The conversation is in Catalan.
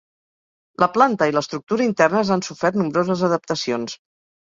La planta i l’estructura internes han sofert nombroses adaptacions.